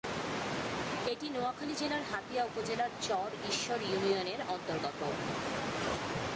এটি নোয়াখালী জেলার হাতিয়া উপজেলার চর ঈশ্বর ইউনিয়ন এর অন্তর্গত।